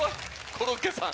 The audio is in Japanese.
コロッケさん